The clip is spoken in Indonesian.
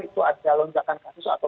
itu ada lonjakan kasus atau